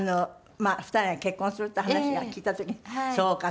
２人が結婚するっていう話が聞いた時にそうか。